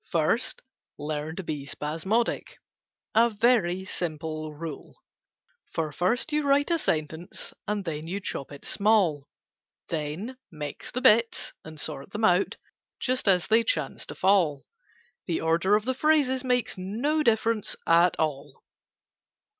First learn to be spasmodic— A very simple rule. "For first you write a sentence, And then you chop it small; Then mix the bits, and sort them out Just as they chance to fall: The order of the phrases makes No difference at all.